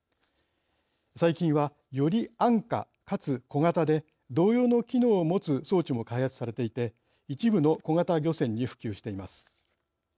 最近は、より安価かつ小型で同様の機能を持つ装置も開発されていて一部の小型漁船に普及しています。